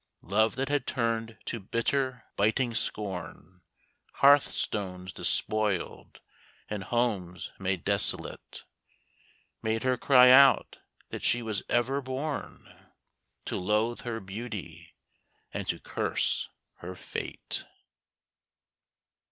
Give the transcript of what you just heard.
Love that had turned to bitter, biting scorn, Hearthstones despoiled, and homes made desolate, Made her cry out that she was ever born, To loathe her beauty and to curse her fate.